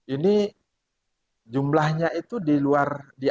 ini jumlahnya itu di luar di atas